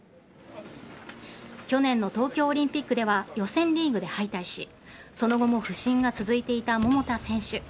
去年の東京オリンピックでは予選リーグで敗退しその後も不振が続いていた桃田選手。